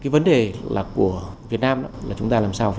vấn đề là của việt nam là chúng ta làm sao